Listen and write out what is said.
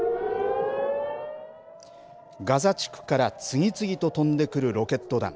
ガザ地区から次々と飛んでくるロケット弾。